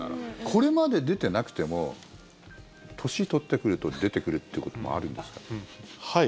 これまで出てなくても年取ってくると出てくるということもあるんですか？